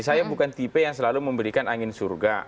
saya bukan tipe yang selalu memberikan angin surga